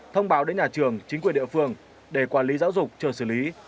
thông báo đến nhà trường chính quyền địa phương để quản lý giáo dục chờ xử lý